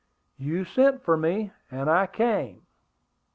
"You sent for me, and I came."